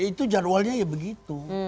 itu jadwalnya ya begitu